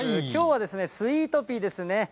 きょうは、スイートピーですね。